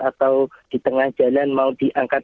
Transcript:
atau di tengah jalan mau diangkat